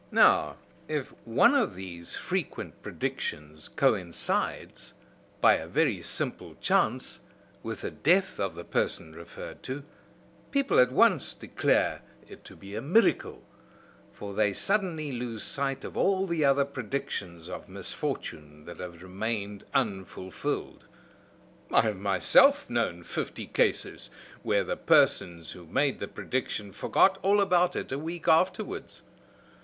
Now, if one of these frequent predictions coincides, by a very simple chance, with the death of the person referred to, people at once declare it to be a miracle; for they suddenly lose sight of all the other predictions of misfortune that have remained unfulfilled. I have myself known fifty cases where the persons who made the prediction forgot all about it a week after wards.